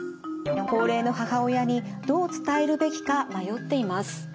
高齢の母親にどう伝えるべきか迷っています」。